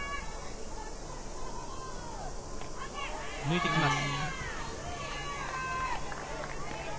抜いてきます。